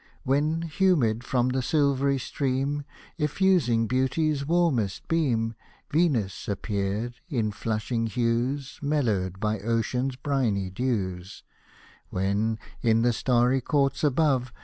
When, humid, from the silvery stream, Effusing beauty's warmest beam, Venus appeared, in flushing hues, Mellowed by ocean's briny dews ; When, in the starry courts above.